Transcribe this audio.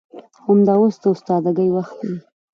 همدا اوس د استادګۍ وخت دى.